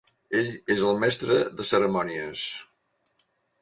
Ell és el mestre de cerimònies.